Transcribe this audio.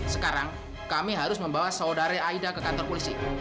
sekarang kami harus membawa saudara aida ke kantor polisi